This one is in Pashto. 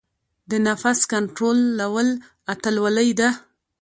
د نفس کنټرول اتلولۍ ده.